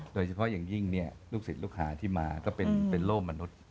โดยเฉพาะอย่างยิ่งลูกศิษย์ลูกหาที่มาก็เป็นโล่มนุษย์